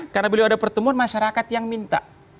karena beliau ada pertemuan masyarakat yang minta